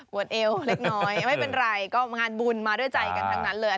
วดเอวเล็กน้อยไม่เป็นไรก็งานบุญมาด้วยใจกันทั้งนั้นเลย